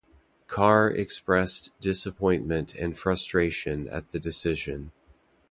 Carr expressed disappointment and frustration at the decision.